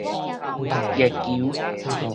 月球